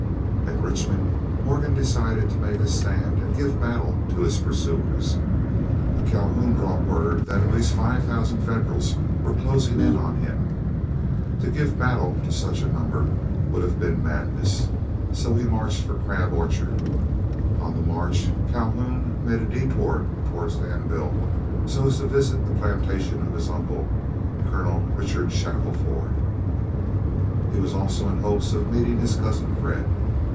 At Richmond, Morgan decided to make a stand and give battle to his pursuers; but Calhoun brought word that at least five thousand Federals were closing in on him. To give battle to such a number would have been madness, so he marched for Crab Orchard. On the march Calhoun made a detour toward Danville so as to visit the plantation of his uncle, Colonel Richard Shackelford. He was also in hopes of meeting his cousin Fred.